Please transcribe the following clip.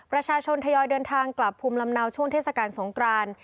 ประชาชนทยอยเดินทางกลับภูมิลำเนาช่วงเทศกาลสงกราน